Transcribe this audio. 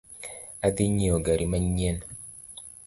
Adhii nyieo gari manyien